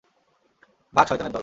ভাগ, শয়তানের দল!